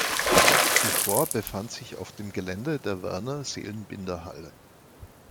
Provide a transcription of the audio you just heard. Zuvor befand sich auf dem Gelände die Werner-Seelenbinder-Halle.